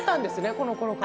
このころから。